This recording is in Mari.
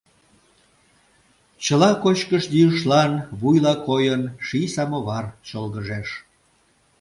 Чыла кочкыш-йӱышлан вуйла койын, ший самовар чолгыжеш.